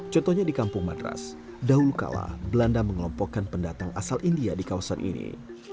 contohnya di kampung madras dahulu kala belanda mengelompokkan pendatang asal india di kawasan ini